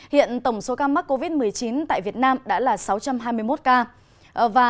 hiện tổng số ca mắc covid một mươi chín tại việt nam đã là sáu trăm hai mươi một ca